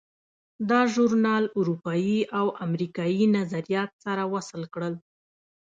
دا ژورنال اروپایي او امریکایي نظریات سره وصل کړل.